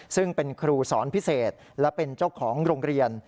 ซึ่งเป็นครูสอนพิเศษและเป็นเจ้าของโรงเรียน